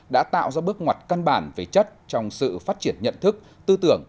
đã tạo ra bước ngoặt căn bản về chất trong sự phát triển nhận thức tư tưởng